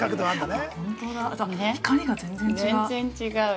光が全然違ーう。